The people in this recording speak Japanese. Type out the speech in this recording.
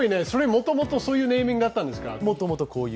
もともとそういうネーミングだったんですか？